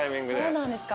そうなんですか。